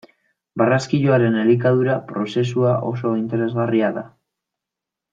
Barraskiloaren elikadura prozesua oso interesgarria da.